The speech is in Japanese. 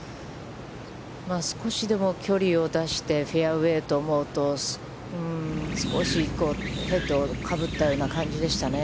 少しでも距離を出してフェアウェイと思うと、少しヘッド、かぶったような感じでしたね。